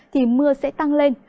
thì mưa sẽ tăng lên